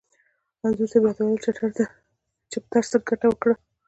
انځور صاحب را ته وویل: چپټر څه ګټه وکړه؟